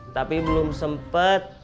tapi belum sempet